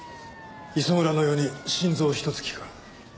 磯村のように心臓をひと突きか。